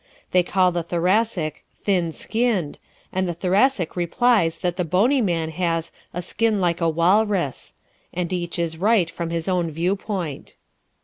They call the Thoracic "thin skinned," and the Thoracic replies that the bony man has "a skin like a walrus." And each is right from his own viewpoint.